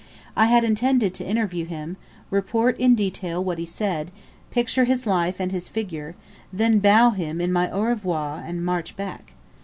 I had intended to interview him, report in detail what he said, picture his life and his figure, then bow him my "au revoir," and march back.